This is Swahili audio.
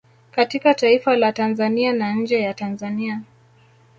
katika taifa la Tanzania na nje ya Tanzania